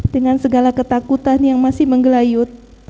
dengan segala ketakutan yang masih menggelayut